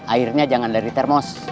airnya jangan dari termos